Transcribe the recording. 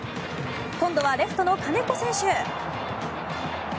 今度はレフトの金子選手。